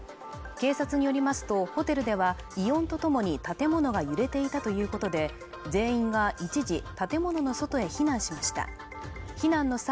警察によりますとホテルでは異音とともに建物が揺れていたということで全員が一時建物の外へ避難しました避難の際